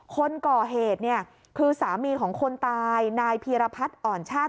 คนก่อเหตุเนี่ยคือสามีของคนตายนายพีรพัฒน์อ่อนชาติ